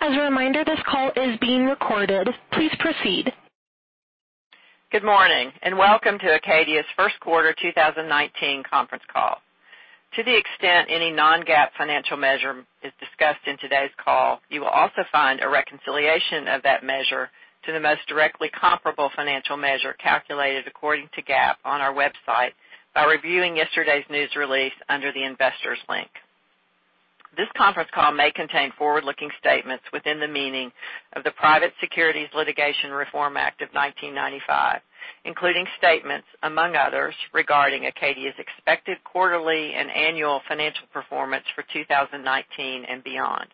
As a reminder, this call is being recorded. Please proceed. Good morning, and welcome to Acadia's first quarter 2019 conference call. To the extent any non-GAAP financial measure is discussed in today's call, you will also find a reconciliation of that measure to the most directly comparable financial measure calculated according to GAAP on our website by reviewing yesterday's news release under the Investors link. This conference call may contain forward-looking statements within the meaning of the Private Securities Litigation Reform Act of 1995, including statements, among others, regarding Acadia's expected quarterly and annual financial performance for 2019 and beyond.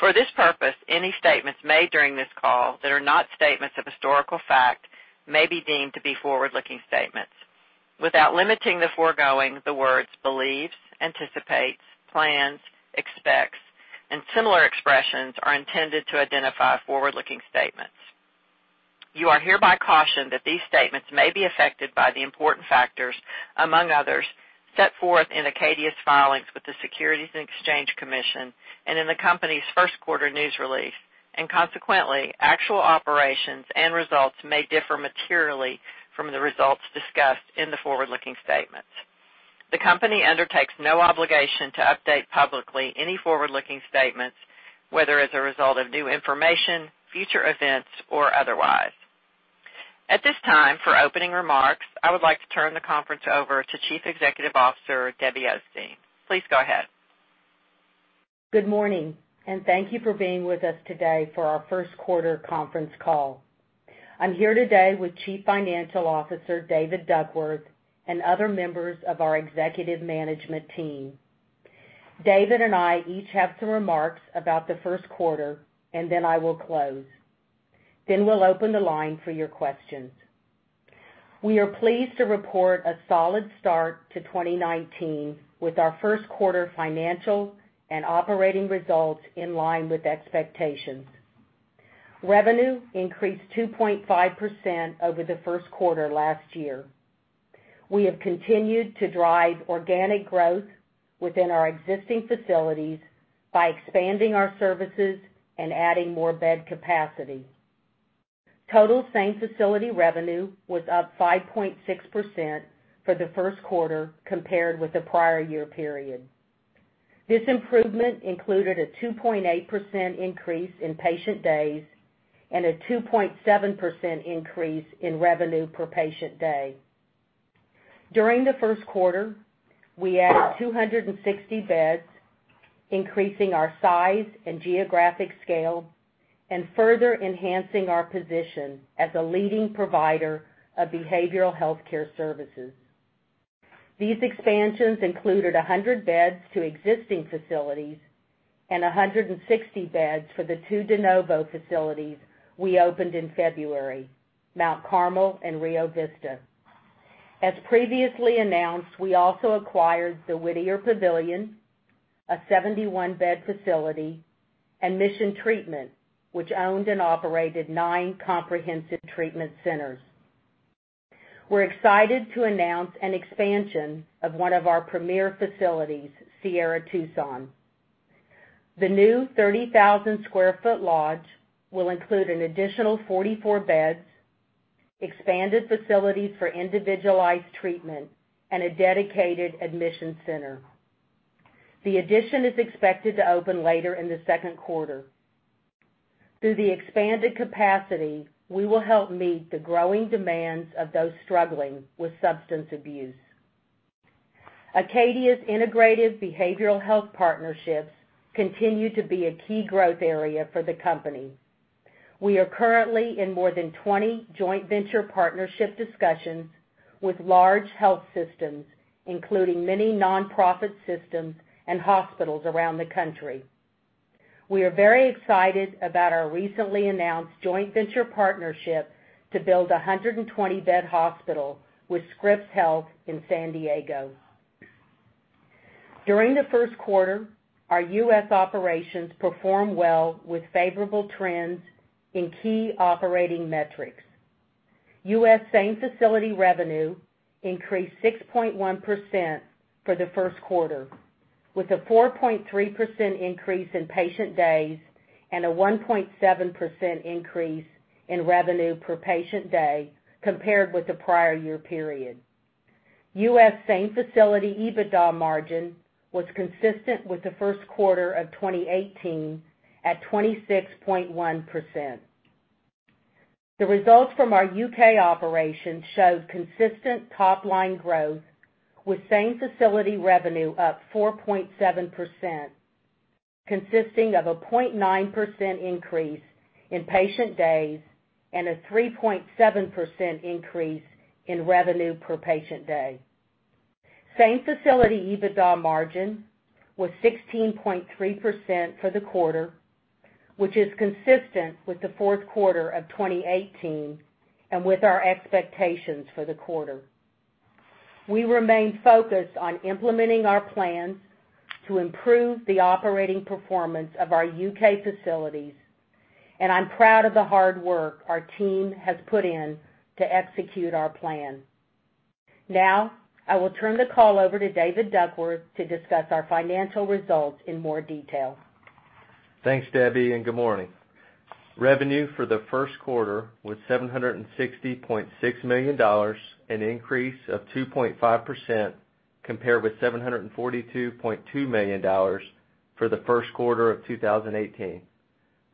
For this purpose, any statements made during this call that are not statements of historical fact may be deemed to be forward-looking statements. Without limiting the foregoing, the words believes, anticipates, plans, expects, and similar expressions are intended to identify forward-looking statements. You are hereby cautioned that these statements may be affected by the important factors, among others, set forth in Acadia's filings with the Securities and Exchange Commission and in the company's first quarter news release, and consequently, actual operations and results may differ materially from the results discussed in the forward-looking statements. The company undertakes no obligation to update publicly any forward-looking statements, whether as a result of new information, future events, or otherwise. At this time, for opening remarks, I would like to turn the conference over to Chief Executive Officer, Debbie Osteen. Please go ahead. Good morning, and thank you for being with us today for our first quarter conference call. I'm here today with Chief Financial Officer, David Duckworth, and other members of our executive management team. David and I each have some remarks about the first quarter, and then I will close. We'll open the line for your questions. We are pleased to report a solid start to 2019 with our first quarter financial and operating results in line with expectations. Revenue increased 2.5% over the first quarter last year. We have continued to drive organic growth within our existing facilities by expanding our services and adding more bed capacity. Total same-facility revenue was up 5.6% for the first quarter compared with the prior year period. This improvement included a 2.8% increase in patient days and a 2.7% increase in revenue per patient day. During the first quarter, we added 260 beds, increasing our size and geographic scale and further enhancing our position as a leading provider of behavioral healthcare services. These expansions included 100 beds to existing facilities and 160 beds for the two de novo facilities we opened in February, Mount Carmel and Rio Vista. As previously announced, we also acquired the Whittier Pavilion, a 71-bed facility, and Mission Treatment, which owned and operated nine Comprehensive Treatment Centers. We are excited to announce an expansion of one of our premier facilities, Sierra Tucson. The new 30,000 sq ft lodge will include an additional 44 beds, expanded facilities for individualized treatment, and a dedicated admission center. The addition is expected to open later in the second quarter. Through the expanded capacity, we will help meet the growing demands of those struggling with substance abuse. Acadia's integrated behavioral health partnerships continue to be a key growth area for the company. We are currently in more than 20 joint venture partnership discussions with large health systems, including many non-profit systems and hospitals around the country. We are very excited about our recently announced joint venture partnership to build a 120-bed hospital with Scripps Health in San Diego. During the first quarter, our U.S. operations performed well with favorable trends in key operating metrics. U.S. same-facility revenue increased 6.1% for the first quarter, with a 4.3% increase in patient days and a 1.7% increase in revenue per patient day compared with the prior year-period. U.S. same-facility EBITDA margin was consistent with the first quarter of 2018 at 26.1%. The results from our U.K. operations showed consistent top-line growth with same-facility revenue up 4.7%, consisting of a 0.9% increase in patient days and a 3.7% increase in revenue per patient day. Same-facility EBITDA margin was 16.3% for the quarter, which is consistent with the fourth quarter of 2018 and with our expectations for the quarter. We remain focused on implementing our plans to improve the operating performance of our U.K. facilities, and I am proud of the hard work our team has put in to execute our plan. I will turn the call over to David Duckworth to discuss our financial results in more detail. Thanks, Debbie, and good morning. Revenue for the first quarter was $760.6 million, an increase of 2.5%, compared with $742.2 million for the first quarter of 2018.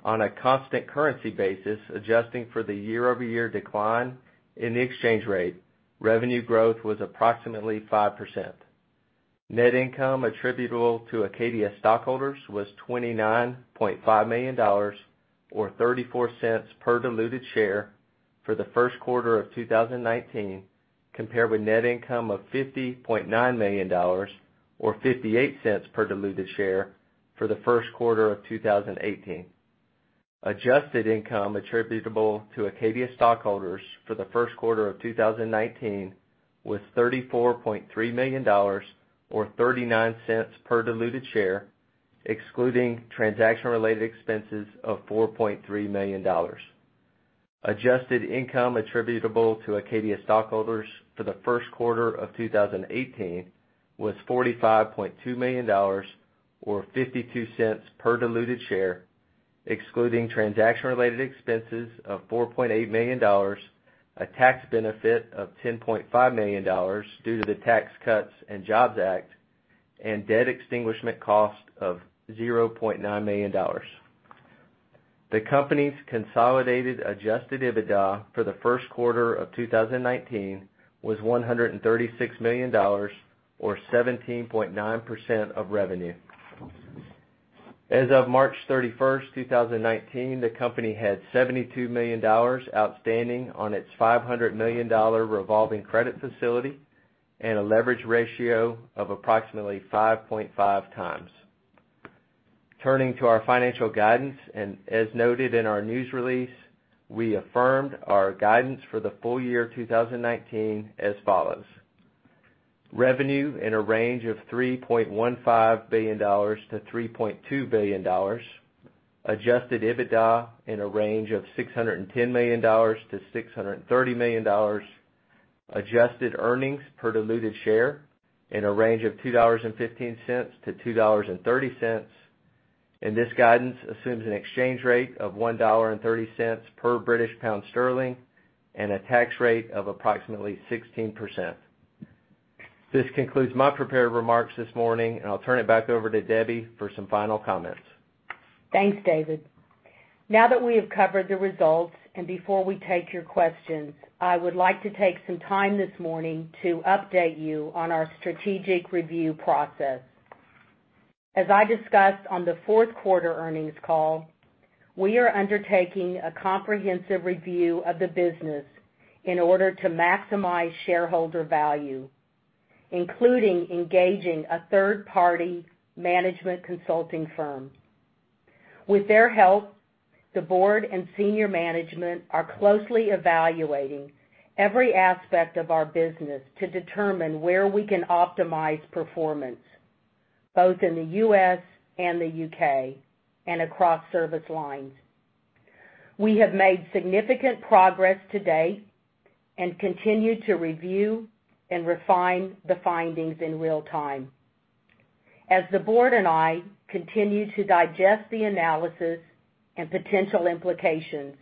On a constant currency basis, adjusting for the year-over-year decline in the exchange rate, revenue growth was approximately 5%. Net income attributable to Acadia stockholders was $29.5 million or $0.34 per diluted share for the first quarter of 2019, compared with net income of $50.9 million or $0.58 per diluted share for the first quarter of 2018. Adjusted income attributable to Acadia stockholders for the first quarter of 2019 was $34.3 million or $0.39 per diluted share, excluding transaction-related expenses of $4.3 million. Adjusted income attributable to Acadia stockholders for the first quarter of 2018 was $45.2 million or $0.52 per diluted share, excluding transaction-related expenses of $4.8 million, a tax benefit of $10.5 million due to the Tax Cuts and Jobs Act, and debt extinguishment cost of $0.9 million. The company's consolidated adjusted EBITDA for the first quarter of 2019 was $136 million or 17.9% of revenue. As of March 31st, 2019, the company had $72 million outstanding on its $500 million revolving credit facility and a leverage ratio of approximately 5.5 times. As noted in our news release, we affirmed our guidance for the full year 2019 as follows. Revenue in a range of $3.15 billion-$3.2 billion, adjusted EBITDA in a range of $610 million-$630 million, adjusted earnings per diluted share in a range of $2.15-$2.30. This guidance assumes an exchange rate of $1.30 per GBP and a tax rate of approximately 16%. This concludes my prepared remarks this morning. I'll turn it back over to Debra for some final comments. Thanks, David. Now that we have covered the results, before we take your questions, I would like to take some time this morning to update you on our strategic review process. As I discussed on the fourth quarter earnings call, we are undertaking a comprehensive review of the business in order to maximize shareholder value, including engaging a third-party management consulting firm. With their help, the board and senior management are closely evaluating every aspect of our business to determine where we can optimize performance both in the U.S. and the U.K. and across service lines. We have made significant progress to date and continue to review and refine the findings in real time. As the board and I continue to digest the analysis and potential implications,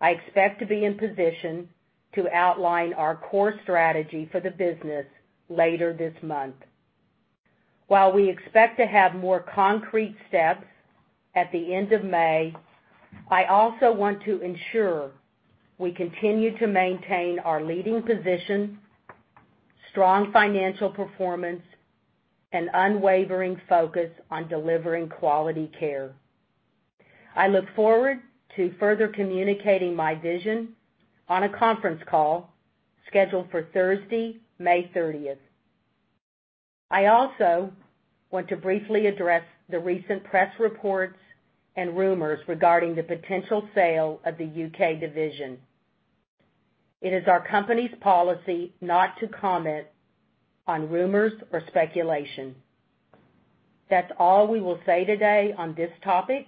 I expect to be in position to outline our core strategy for the business later this month. While we expect to have more concrete steps at the end of May, I also want to ensure we continue to maintain our leading position, strong financial performance, and unwavering focus on delivering quality care. I look forward to further communicating my vision on a conference call scheduled for Thursday, May 30th. I also want to briefly address the recent press reports and rumors regarding the potential sale of the U.K. division. It is our company's policy not to comment on rumors or speculation. That's all we will say today on this topic.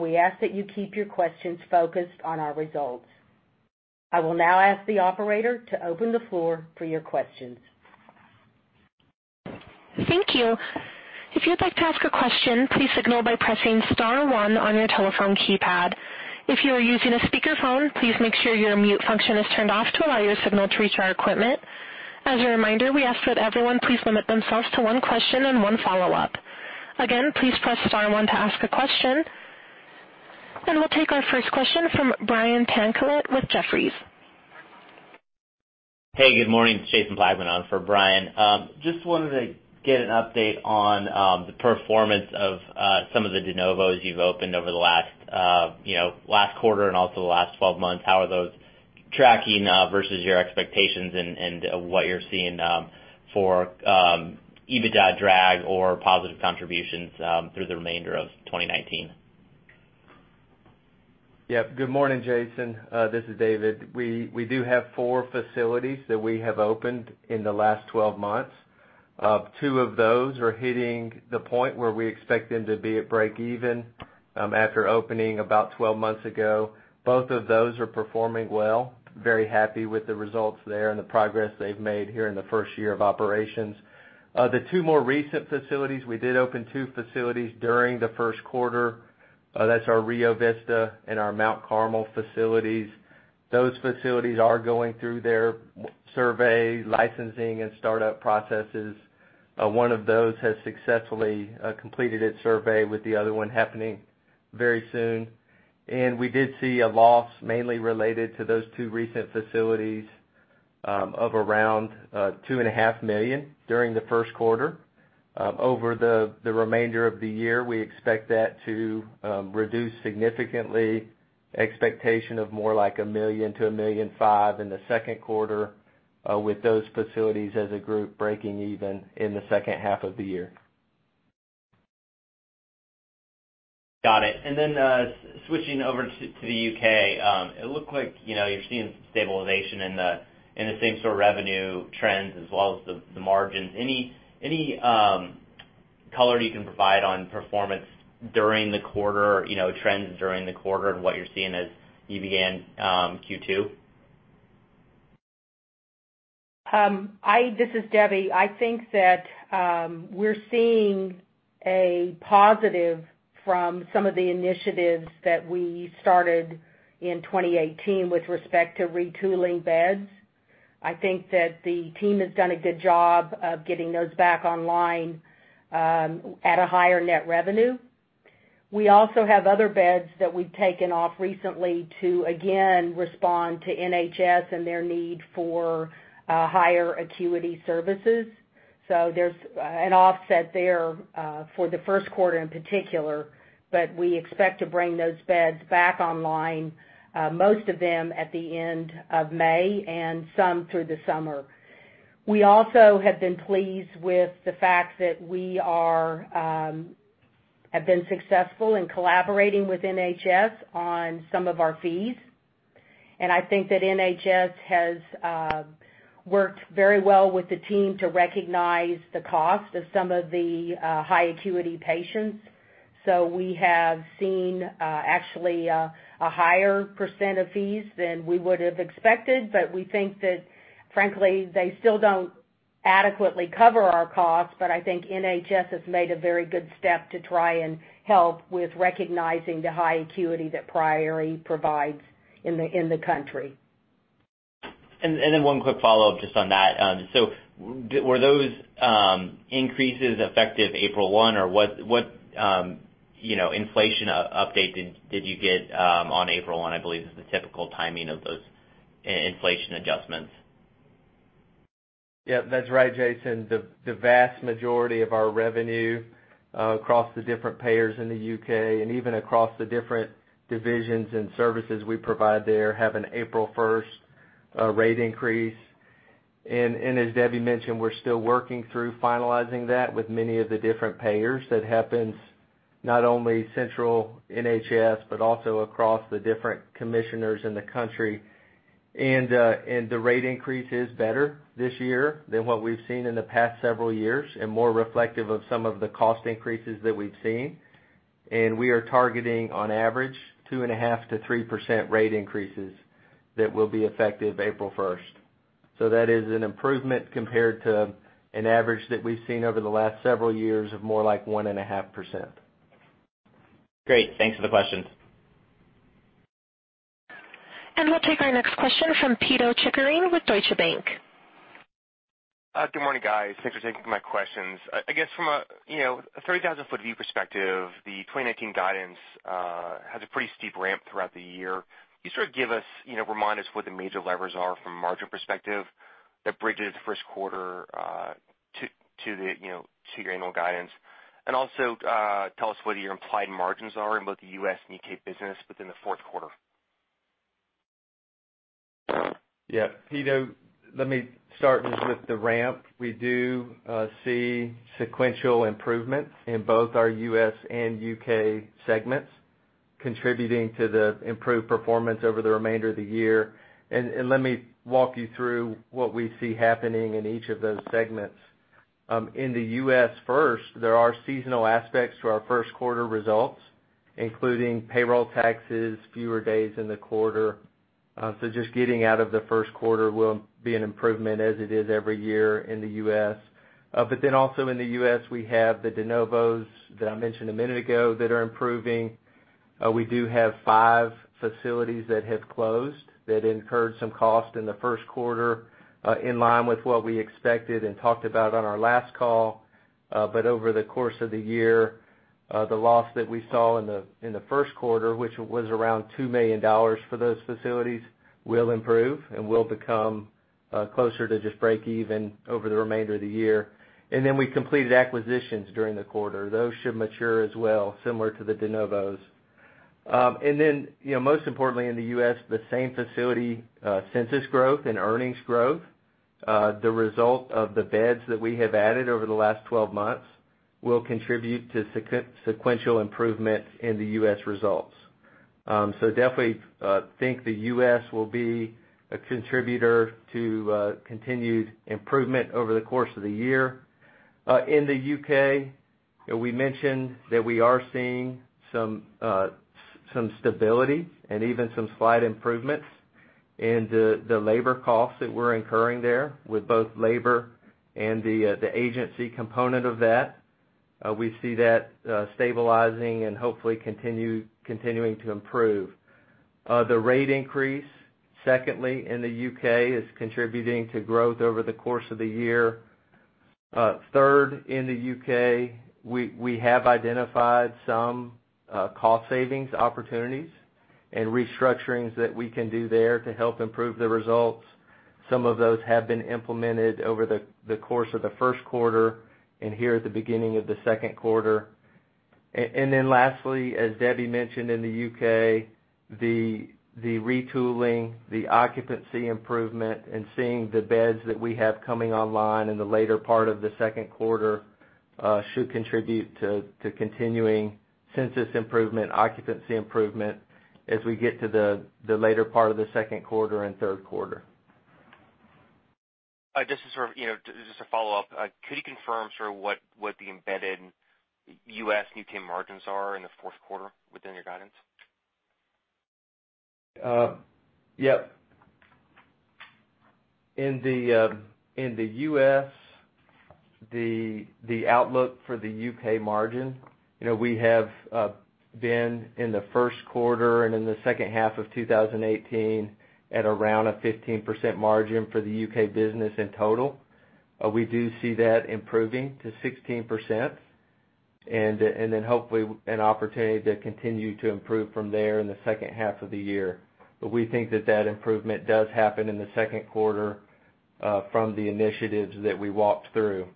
We ask that you keep your questions focused on our results. I will now ask the operator to open the floor for your questions. Thank you. If you'd like to ask a question, please signal by pressing *1 on your telephone keypad. If you are using a speakerphone, please make sure your mute function is turned off to allow your signal to reach our equipment. As a reminder, we ask that everyone please limit themselves to one question and one follow-up. Again, please press *1 to ask a question. We'll take our first question from Brian Tanquilut with Jefferies. Hey, good morning. It's Jason Plagman on for Brian. Just wanted to get an update on the performance of some of the de novos you've opened over the last quarter and also the last 12 months. How are those tracking versus your expectations and what you're seeing for EBITDA drag or positive contributions through the remainder of 2019? Yep. Good morning, Jason. This is David. We do have four facilities that we have opened in the last 12 months. Two of those are hitting the point where we expect them to be at break even after opening about 12 months ago. Both of those are performing well. Very happy with the results there and the progress they've made here in the first year of operations. The two more recent facilities, we did open two facilities during the first quarter. That's our Rio Vista and our Mount Carmel facilities. Those facilities are going through their survey licensing and startup processes. One of those has successfully completed its survey with the other one happening very soon. We did see a loss mainly related to those two recent facilities of around $two and a half million during the first quarter. Over the remainder of the year, we expect that to reduce significantly. Expectation of more like $1 million to $1.5 million in the second quarter, with those facilities as a group breaking even in the second half of the year. Got it. Switching over to the U.K. It looked like you're seeing some stabilization in the same sort of revenue trends as well as the margins. Any color you can provide on performance during the quarter, trends during the quarter, and what you're seeing as you began Q2? This is Debra. I think that we're seeing a positive from some of the initiatives that we started in 2018 with respect to retooling beds. I think that the team has done a good job of getting those back online at a higher net revenue. We also have other beds that we've taken off recently to, again, respond to NHS and their need for higher acuity services. There's an offset there for the first quarter in particular, but we expect to bring those beds back online, most of them at the end of May and some through the summer. We also have been pleased with the fact that we have been successful in collaborating with NHS on some of our fees. I think that NHS has worked very well with the team to recognize the cost of some of the high acuity patients. We have seen, actually, a higher % of fees than we would have expected, but we think that, frankly, they still don't adequately cover our costs. I think NHS has made a very good step to try and help with recognizing the high acuity that Priory provides in the country. One quick follow-up just on that. Were those increases effective April one? What inflation update did you get on April one, I believe, is the typical timing of those inflation adjustments? Yeah, that's right, Jason. The vast majority of our revenue across the different payers in the U.K. and even across the different divisions and services we provide there have an April 1st rate increase. As Debbie mentioned, we're still working through finalizing that with many of the different payers. That happens not only central NHS, but also across the different commissioners in the country. The rate increase is better this year than what we've seen in the past several years and more reflective of some of the cost increases that we've seen. We are targeting, on average, 2.5%-3% rate increases that will be effective April 1st. That is an improvement compared to an average that we've seen over the last several years of more like 1.5%. Great. Thanks for the questions. We'll take our next question from Pito Chickering with Deutsche Bank. Good morning, guys. Thanks for taking my questions. I guess from a 30,000-foot view perspective, the 2019 guidance has a pretty steep ramp throughout the year. Can you sort of remind us what the major levers are from a margin perspective that bridges first quarter to your annual guidance? Also, tell us what your implied margins are in both the U.S. and U.K. business within the fourth quarter. Yeah. Pito, let me start with the ramp. We do see sequential improvements in both our U.S. and U.K. segments contributing to the improved performance over the remainder of the year. Let me walk you through what we see happening in each of those segments. In the U.S. first, there are seasonal aspects to our first quarter results, including payroll taxes, fewer days in the quarter. Just getting out of the first quarter will be an improvement as it is every year in the U.S. Also in the U.S., we have the de novos that I mentioned a minute ago that are improving. We do have five facilities that have closed that incurred some cost in the first quarter, in line with what we expected and talked about on our last call. Over the course of the year, the loss that we saw in the first quarter, which was around $2 million for those facilities, will improve and will become closer to just break even over the remainder of the year. We completed acquisitions during the quarter. Those should mature as well, similar to the de novos. Most importantly in the U.S., the same facility census growth and earnings growth. The result of the beds that we have added over the last 12 months will contribute to sequential improvement in the U.S. results. Definitely think the U.S. will be a contributor to continued improvement over the course of the year. In the U.K., we mentioned that we are seeing some stability and even some slight improvements in the labor costs that we're incurring there with both labor and the agency component of that. We see that stabilizing and hopefully continuing to improve. The rate increase, secondly, in the U.K. is contributing to growth over the course of the year. Third, in the U.K., we have identified some cost savings opportunities and restructurings that we can do there to help improve the results. Some of those have been implemented over the course of the first quarter and here at the beginning of the second quarter. Lastly, as Debra mentioned, in the U.K., the retooling, the occupancy improvement, and seeing the beds that we have coming online in the later part of the second quarter should contribute to continuing census improvement, occupancy improvement as we get to the later part of the second quarter and third quarter. Just to follow up, could you confirm what the embedded U.S. new team margins are in the fourth quarter within your guidance? Yep. In the U.S., the outlook for the U.K. margin, we have been in the first quarter and in the second half of 2018 at around a 15% margin for the U.K. business in total. We do see that improving to 16%, then hopefully an opportunity to continue to improve from there in the second half of the year. We think that that improvement does happen in the second quarter from the initiatives that we walked through.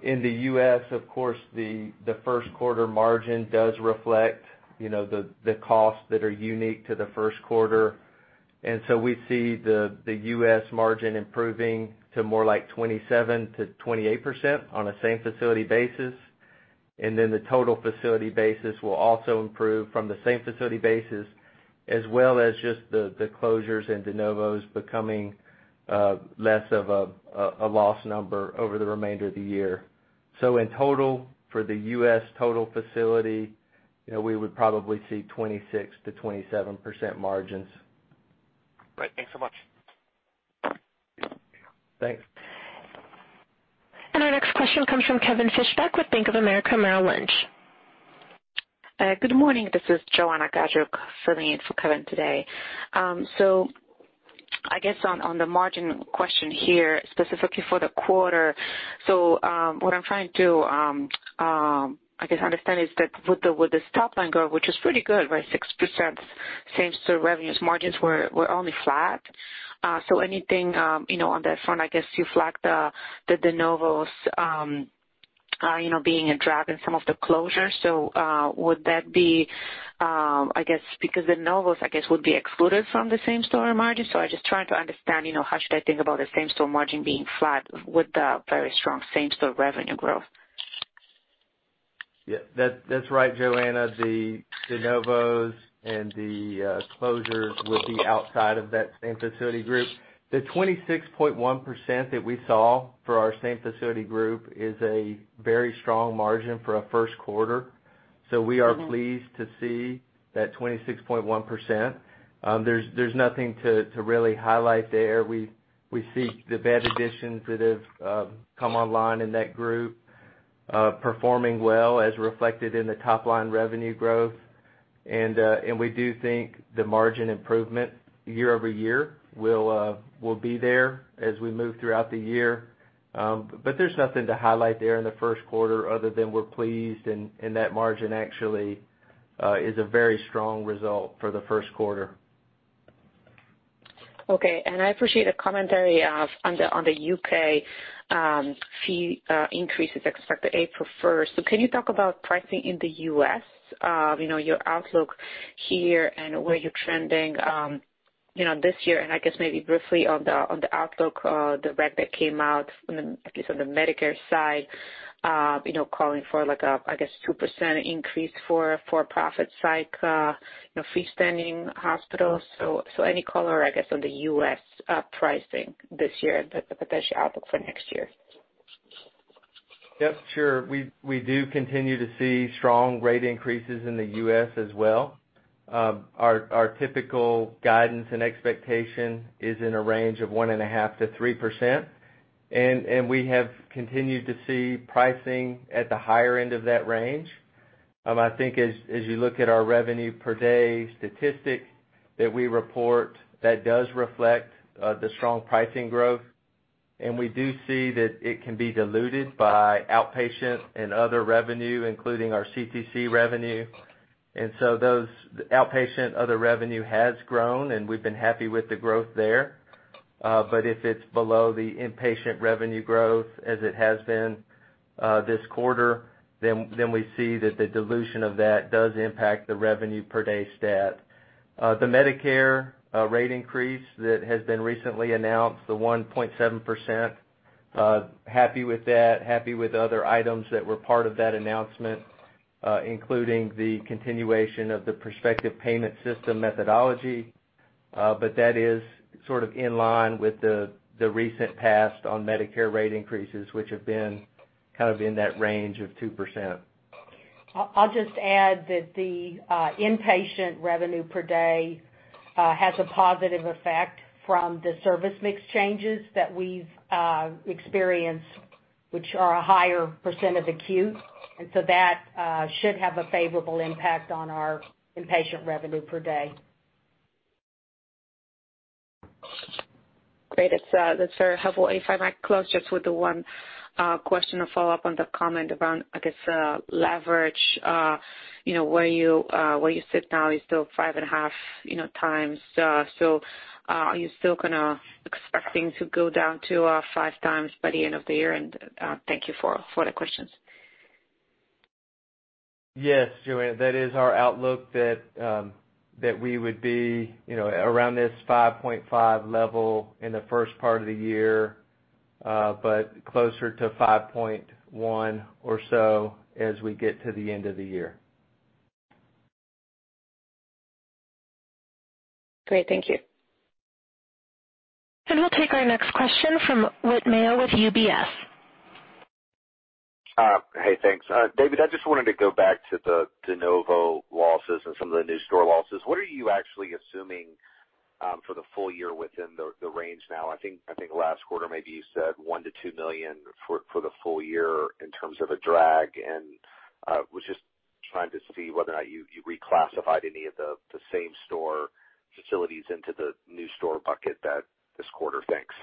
In the U.S., of course, the first quarter margin does reflect the costs that are unique to the first quarter. We see the U.S. margin improving to more like 27%-28% on a same-facility basis. The total facility basis will also improve from the same facility basis, as well as just the closures and de novos becoming less of a loss number over the remainder of the year. In total, for the U.S. total facility, we would probably see 26%-27% margins. Great. Thanks so much. Thanks. Our next question comes from Kevin Fischbeck with Bank of America Merrill Lynch. Good morning. This is Joanna Gajek filling in for Kevin today. On the margin question here, specifically for the quarter. What I'm trying to, I guess, understand is that with this top line growth, which is pretty good, right, 6% same-store revenues, margins were only flat. Anything on that front? I guess you flagged the de novos being a drag and some of the closures. Would that be, I guess, because de novos, I guess, would be excluded from the same-store margins. I'm just trying to understand how should I think about the same-store margin being flat with the very strong same-store revenue growth. Yeah, that's right, Joanna. The de novos and the closures would be outside of that same facility group. The 26.1% that we saw for our same facility group is a very strong margin for a first quarter. We are pleased to see that 26.1%. There's nothing to really highlight there. We see the bed additions that have come online in that group performing well as reflected in the top-line revenue growth. We do think the margin improvement year-over-year will be there as we move throughout the year. There's nothing to highlight there in the first quarter other than we're pleased, and that margin actually is a very strong result for the first quarter. Okay. I appreciate the commentary on the U.K. fee increases expected April 1st. Can you talk about pricing in the U.S., your outlook here and where you're trending this year and I guess maybe briefly on the outlook, the rec that came out at least on the Medicare side, calling for, I guess, 2% increase for profit side freestanding hospitals. Any color, I guess, on the U.S. pricing this year, but the potential outlook for next year. Yep, sure. We do continue to see strong rate increases in the U.S. as well. Our typical guidance and expectation is in a range of 1.5%-3%. We have continued to see pricing at the higher end of that range. I think as you look at our revenue per day statistic that we report, that does reflect the strong pricing growth. We do see that it can be diluted by outpatient and other revenue, including our CTC revenue. Those outpatient other revenue has grown, and we've been happy with the growth there. If it's below the inpatient revenue growth as it has been this quarter, then we see that the dilution of that does impact the revenue per day stat. The Medicare rate increase that has been recently announced, the 1.7%, happy with that, happy with other items that were part of that announcement, including the continuation of the prospective payment system methodology. That is in line with the recent past on Medicare rate increases, which have been in that range of 2%. I'll just add that the inpatient revenue per day has a positive effect from the service mix changes that we've experienced, which are a higher % of acute. That should have a favorable impact on our inpatient revenue per day. Great. That's very helpful. If I might close just with the one question or follow-up on the comment around, I guess, leverage, where you sit now is still 5.5 times. Are you still going to expecting to go down to 5 times by the end of the year? Thank you for the questions. Yes, Joanna, that is our outlook that we would be around this 5.5 level in the first part of the year, closer to 5.1 or so as we get to the end of the year. Great. Thank you. We'll take our next question from Whit Mayo with UBS. Hey, thanks. David, I just wanted to go back to the de novo losses and some of the new store losses. What are you actually assuming for the full year within the range now? I think last quarter, maybe you said $1 million-$2 million for the full year in terms of a drag, and was just trying to see whether or not you reclassified any of the same store facilities into the new store bucket that this quarter thinks.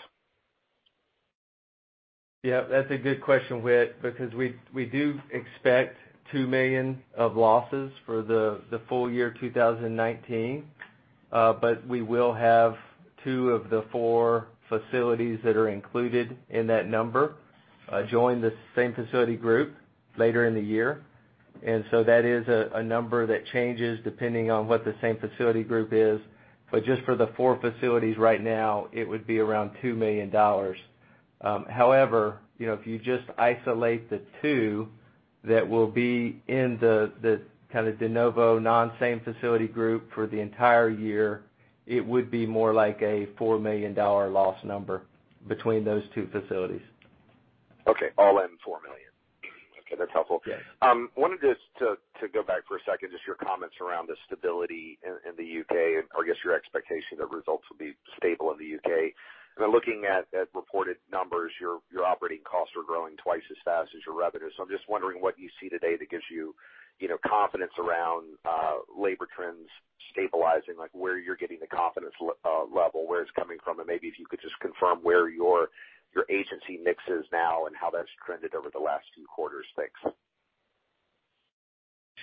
Yeah, that's a good question, Whit, because we do expect $2 million of losses for the full year 2019. We will have two of the four facilities that are included in that number join the same facility group later in the year. So that is a number that changes depending on what the same facility group is. Just for the four facilities right now, it would be around $2 million. However, if you just isolate the two that will be in the kind of de novo non-same facility group for the entire year, it would be more like a $4 million loss number between those two facilities. Okay. All in $4 million. Okay, that's helpful. Yes. Wanted just to go back for a second, just your comments around the stability in the U.K. and, I guess, your expectation that results will be stable in the U.K. Looking at reported numbers, your operating costs are growing twice as fast as your revenue. I'm just wondering what you see today that gives you confidence around labor trends stabilizing, like where you're getting the confidence level, where it's coming from. Maybe if you could just confirm where your agency mix is now and how that's trended over the last few quarters. Thanks.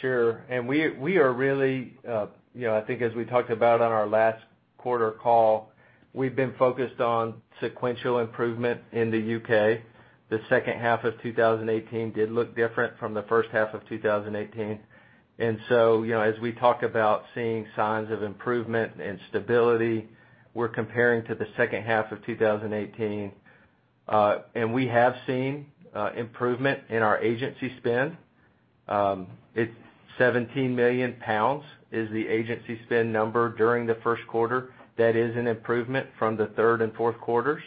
Sure. We are really, I think as we talked about on our last quarter call, we've been focused on sequential improvement in the U.K. The second half of 2018 did look different from the first half of 2018. As we talk about seeing signs of improvement and stability, we're comparing to the second half of 2018. We have seen improvement in our agency spend. It's 17 million pounds is the agency spend number during the first quarter. That is an improvement from the third and fourth quarters.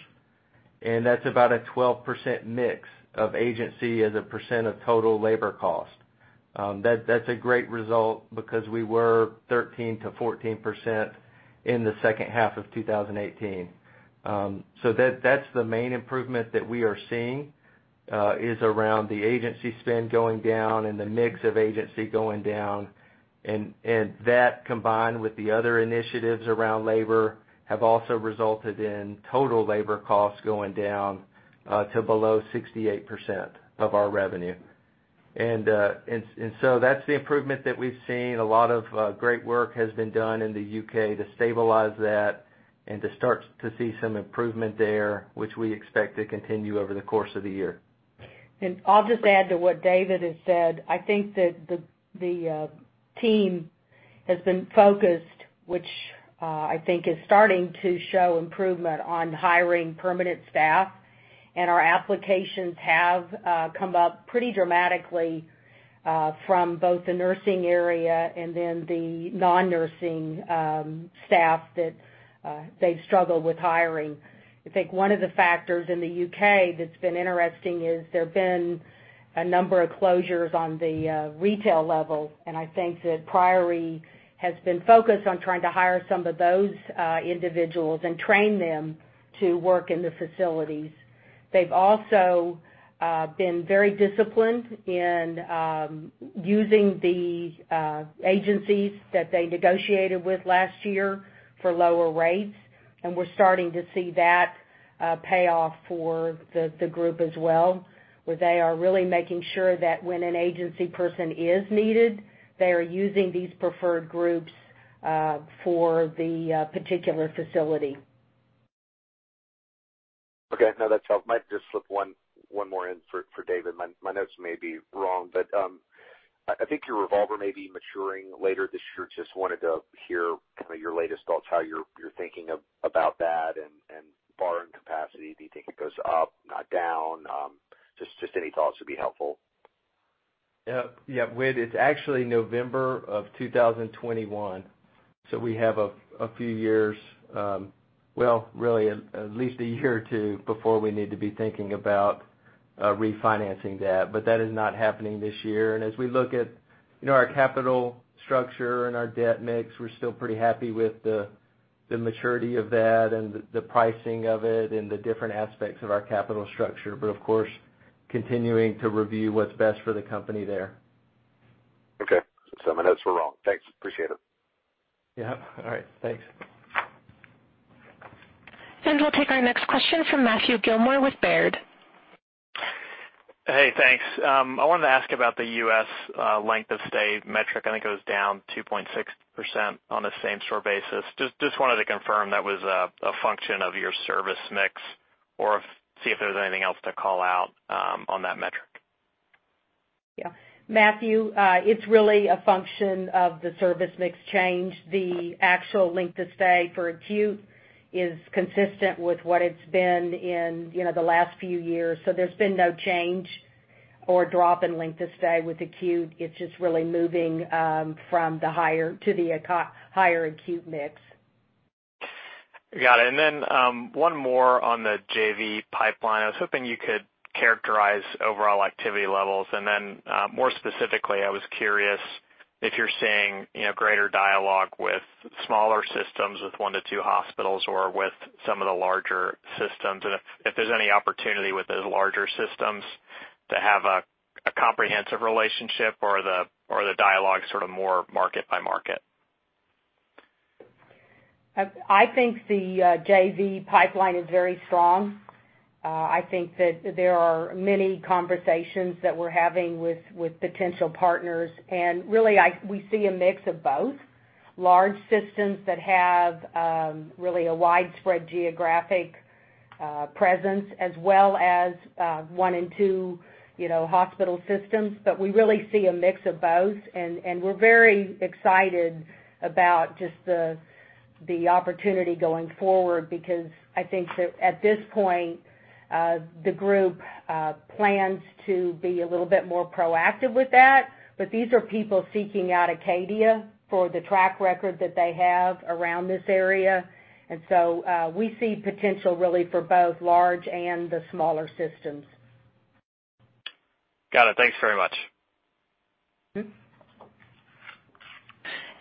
That's about a 12% mix of agency as a percent of total labor cost. That's a great result because we were 13%-14% in the second half of 2018. That's the main improvement that we are seeing is around the agency spend going down and the mix of agency going down, and that combined with the other initiatives around labor have also resulted in total labor costs going down to below 68% of our revenue. That's the improvement that we've seen. A lot of great work has been done in the U.K. to stabilize that and to start to see some improvement there, which we expect to continue over the course of the year. I'll just add to what David has said. I think that the team has been focused, which I think is starting to show improvement on hiring permanent staff, and our applications have come up pretty dramatically, from both the nursing area and then the non-nursing staff that they've struggled with hiring. I think one of the factors in the U.K. that's been interesting is there have been a number of closures on the retail level, and I think that Priory has been focused on trying to hire some of those individuals and train them to work in the facilities. They've also been very disciplined in using the agencies that they negotiated with last year for lower rates. We're starting to see that pay off for the group as well, where they are really making sure that when an agency person is needed, they are using these preferred groups for the particular facility. Okay. No, that's helpful. Might just slip one more in for David. My notes may be wrong, but I think your revolver may be maturing later this year. Just wanted to hear kind of your latest thoughts, how you're thinking about that and borrowing capacity. Do you think it goes up, not down? Just any thoughts would be helpful. Yeah. Whit, it's actually November of 2021, so we have a few years, well, really at least one or two years, before we need to be thinking about refinancing that. That is not happening this year. As we look at our capital structure and our debt mix, we're still pretty happy with the maturity of that and the pricing of it and the different aspects of our capital structure. Of course, continuing to review what's best for the company there. Okay. My notes were wrong. Thanks. Appreciate it. Yeah. All right. Thanks. We'll take our next question from Matthew Gilmore with Baird. Hey, thanks. I wanted to ask about the U.S. length of stay metric. I think it was down 2.6% on a same-store basis. Just wanted to confirm that was a function of your service mix or see if there's anything else to call out on that metric. Yeah. Matthew, it's really a function of the service mix change. The actual length of stay for acute is consistent with what it's been in the last few years, there's been no change or drop in length of stay with acute. It's just really moving from the higher to the higher acute mix. Got it. One more on the JV pipeline. I was hoping you could characterize overall activity levels, then more specifically, I was curious if you're seeing greater dialogue with smaller systems, with one to two hospitals or with some of the larger systems. If there's any opportunity with those larger systems to have a comprehensive relationship or the dialogue's sort of more market by market. I think the JV pipeline is very strong. I think that there are many conversations that we're having with potential partners, really we see a mix of both: large systems that have really a widespread geographic presence, as well as one and two hospital systems. We really see a mix of both, we're very excited about just the opportunity going forward, because I think that at this point, the group plans to be a little bit more proactive with that. These are people seeking out Acadia for the track record that they have around this area. We see potential really for both large and the smaller systems. Got it. Thanks very much.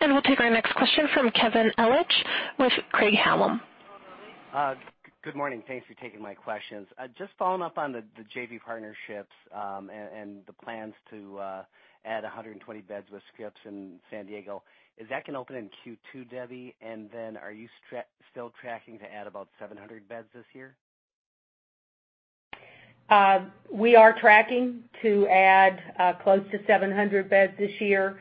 We'll take our next question from Kevin Ellich with Craig-Hallum. Good morning. Thanks for taking my questions. Just following up on the JV partnerships, and the plans to add 120 beds with Scripps in San Diego. Is that going to open in Q2, Debbie? Are you still tracking to add about 700 beds this year? We are tracking to add close to 700 beds this year.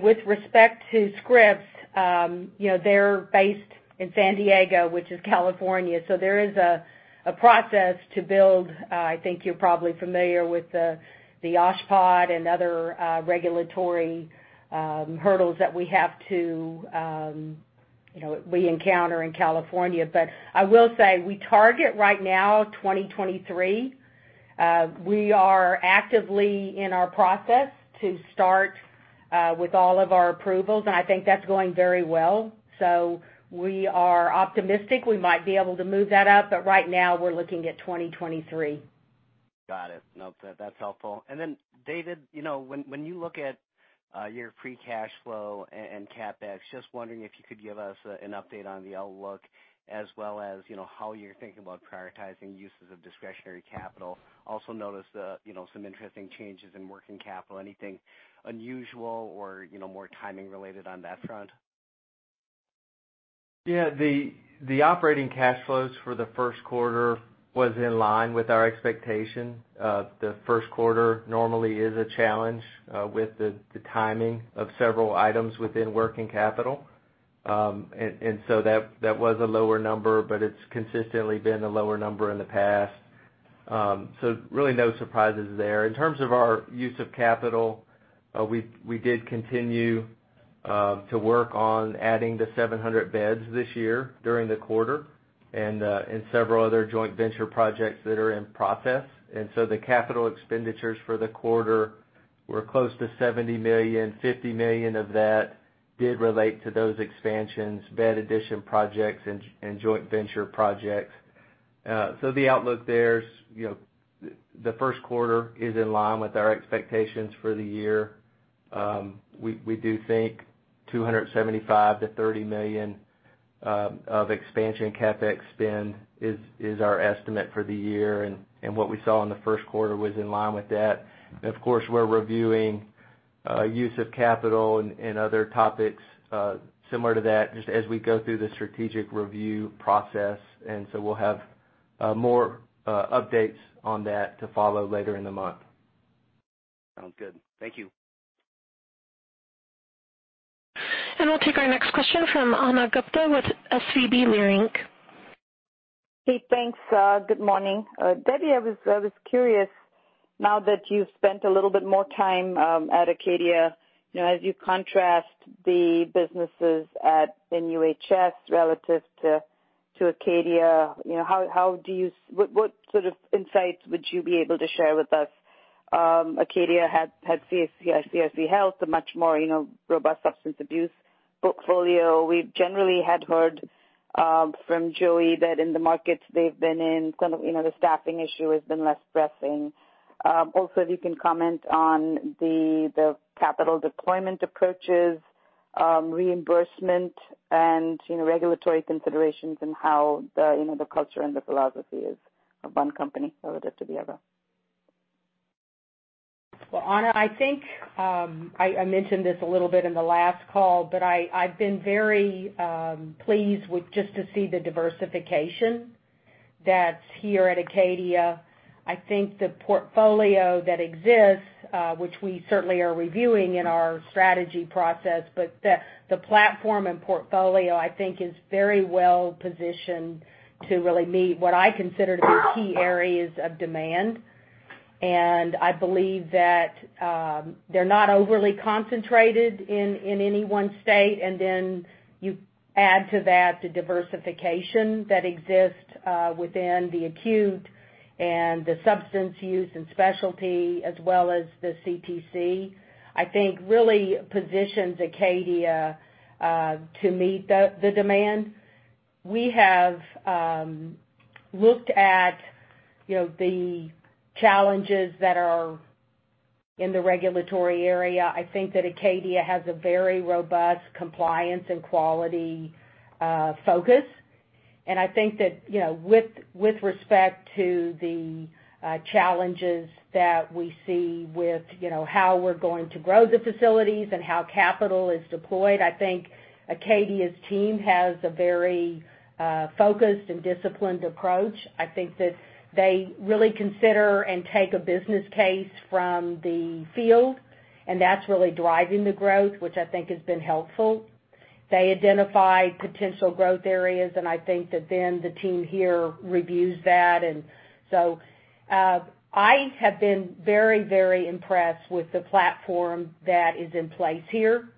With respect to Scripps, they're based in San Diego, which is California. There is a process to build, I think you're probably familiar with the OSHPD and other regulatory hurdles that we encounter in California. I will say, we target right now, 2023. We are actively in our process to start with all of our approvals, and I think that's going very well. We are optimistic we might be able to move that up, but right now we're looking at 2023. Got it. Nope, that's helpful. David, when you look at your free cash flow and CapEx, just wondering if you could give us an update on the outlook as well as how you're thinking about prioritizing uses of discretionary capital. Also noticed some interesting changes in working capital. Anything unusual or more timing related on that front? Yeah. The operating cash flows for the first quarter was in line with our expectation. The first quarter normally is a challenge with the timing of several items within working capital. That was a lower number, but it's consistently been a lower number in the past. Really no surprises there. In terms of our use of capital, we did continue to work on adding the 700 beds this year during the quarter and several other joint venture projects that are in process. The capital expenditures for the quarter were close to $70 million. $50 million of that did relate to those expansions, bed addition projects and joint venture projects. The outlook there is, the first quarter is in line with our expectations for the year. We do think $275 million to $30 million of expansion CapEx spend is our estimate for the year, and what we saw in the first quarter was in line with that. We're reviewing use of capital and other topics similar to that just as we go through the strategic review process, we'll have more updates on that to follow later in the month. Sounds good. Thank you. We'll take our next question from Ana Gupte with SVB Leerink. Hey, thanks. Good morning. Debbie, I was curious, now that you've spent a little bit more time at Acadia, as you contrast the businesses at UHS relative to Acadia, what sort of insights would you be able to share with us? Acadia had CRC Health, a much more robust substance abuse portfolio. We generally had heard from Joey that in the markets they've been in, the staffing issue has been less pressing. Also, if you can comment on the capital deployment approaches, reimbursement, and regulatory considerations and how the culture and the philosophy is of one company relative to the other. Well, Ana, I think I mentioned this a little bit in the last call, but I've been very pleased with just to see the diversification that's here at Acadia. I think the portfolio that exists, which we certainly are reviewing in our strategy process, but the platform and portfolio, I think is very well positioned to really meet what I consider to be key areas of demand. I believe that they're not overly concentrated in any one state, and then you add to that the diversification that exists within the acute and the substance use and specialty, as well as the CTC, I think really positions Acadia to meet the demand. We have looked at the challenges that are in the regulatory area. I think that Acadia has a very robust compliance and quality focus. I think that with respect to the challenges that we see with how we're going to grow the facilities and how capital is deployed, I think Acadia's team has a very focused and disciplined approach. I think that they really consider and take a business case from the field, and that's really driving the growth, which I think has been helpful. They identify potential growth areas, and I think that then the team here reviews that. I have been very impressed with the platform that is in place here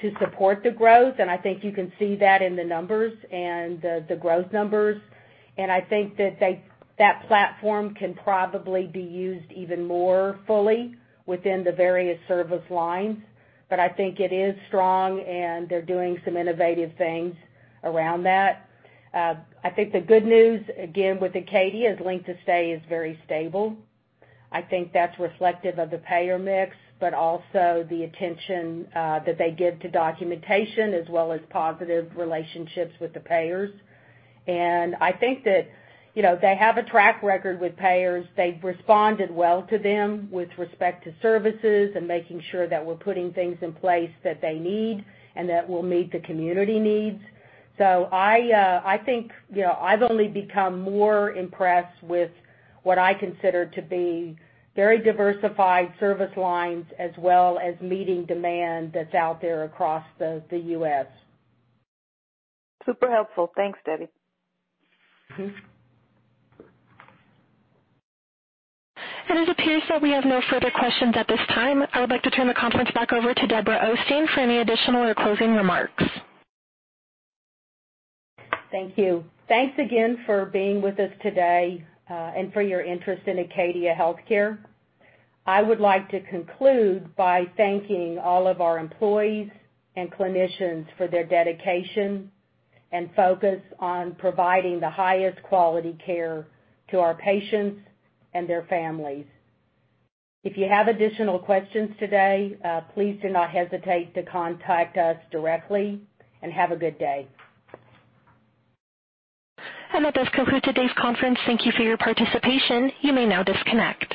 to support the growth, and I think you can see that in the numbers and the growth numbers, and I think that platform can probably be used even more fully within the various service lines. I think it is strong, and they're doing some innovative things around that. I think the good news, again, with Acadia is length to stay is very stable. I think that's reflective of the payer mix, but also the attention that they give to documentation as well as positive relationships with the payers. I think that they have a track record with payers. They've responded well to them with respect to services and making sure that we're putting things in place that they need and that will meet the community needs. I think I've only become more impressed with what I consider to be very diversified service lines, as well as meeting demand that's out there across the U.S. Super helpful. Thanks, Debra. It appears that we have no further questions at this time. I would like to turn the conference back over to Debra Osteen for any additional or closing remarks. Thank you. Thanks again for being with us today, and for your interest in Acadia Healthcare. I would like to conclude by thanking all of our employees and clinicians for their dedication and focus on providing the highest quality care to our patients and their families. If you have additional questions today, please do not hesitate to contact us directly and have a good day. That does conclude today's conference. Thank you for your participation. You may now disconnect.